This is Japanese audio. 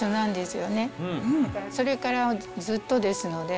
それからずっとですので。